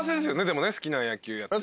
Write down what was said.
でも好きな野球やって。